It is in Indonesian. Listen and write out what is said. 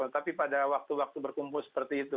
tapi pada waktu waktu berkumpul seperti itu